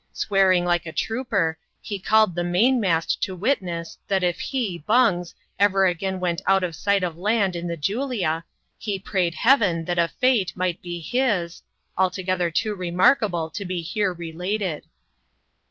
Swearing like a trooper, he called the main mast to witness, that if he (Bungs) ever again went out of sight of land' in the Julia, he prayed Heaven that a fate might be bis — altogether too remarkable to be here related.